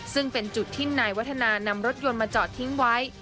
ซึ่งเป็นจุดที่นายวัฒนานำรถยนต์มาจอดทิ้งไว้